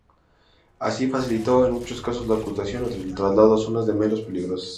Así, facilitó en muchos casos la ocultación o el traslado a zonas menos peligrosas.